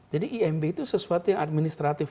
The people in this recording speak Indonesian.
jadi imb itu sesuatu yang administratif